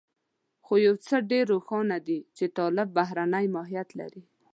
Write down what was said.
خو يو څه ډېر روښانه دي چې طالب بهرنی ماهيت لري.